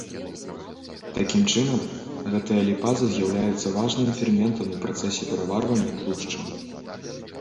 Такім чынам, гэтая ліпаза з'яўляецца важным ферментам у працэсе пераварвання тлушчаў.